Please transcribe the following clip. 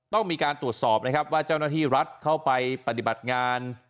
ต้องมีการตรวจสอบนะครับว่าเจ้าหน้าที่รัฐเข้าไปปฏิบัติงาน